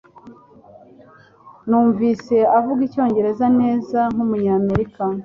Numvise avuga icyongereza neza nkumunyamerika